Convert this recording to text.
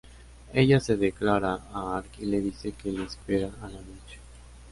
Ella se declara a Ark y le dice que le espera a la noche.